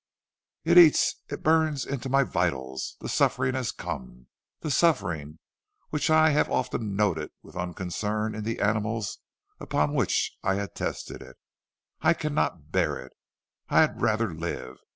"'It eats it burns into my vitals. The suffering has come, the suffering which I have often noted with unconcern in the animals upon which I had tested it. I cannot bear it; I had rather live.